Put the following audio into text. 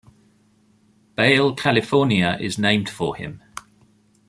Bale, California is named for him.